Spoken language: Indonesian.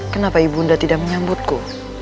kenapa ibu unda tidak menyambutku